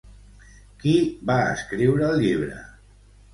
Qui va escriure el llibre?